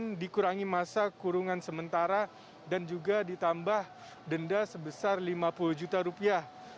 kemudian dikurangi masa kurungan sementara dan juga ditambah denda sebesar lima puluh juta rupiah